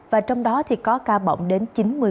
và trong đó có ca bỏng đến chín mươi